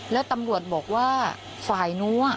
แล้วตำรวจบอกว่าฝ่ายนู้น